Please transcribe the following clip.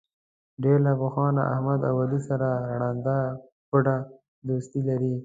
ډېر له پخوا نه احمد او علي سره ړنده ګوډه دوستي لري.